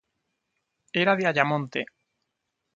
Era de Ayamonte.